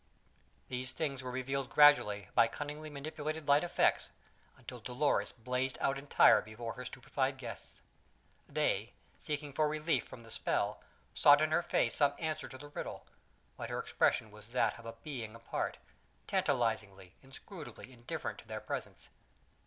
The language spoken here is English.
These things were revealed gradually by cunningly manipulated light effects until Dolores blazed out entire before her stupefied guests. They, seeking for relief from the spell, sought in her face some answer to the riddle; but her expression was that of a being apart: tantalizingly, inscrutably indifferent to their presence.